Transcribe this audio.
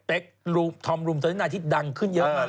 เป๊กธอมรุมเตอร์นี้หน่อยที่ดังขึ้นเยอะมาก